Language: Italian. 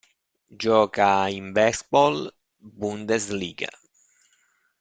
Gioca in Basketball-Bundesliga.